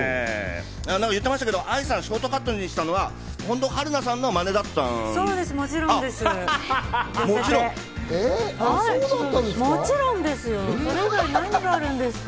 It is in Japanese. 言ってましたけど愛さん、ショートカットにしたのは春菜さんのまねだったんですか？